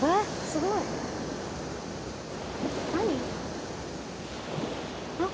すごい。何？